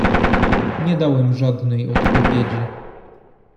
"Nie dałem żadnej odpowiedzi."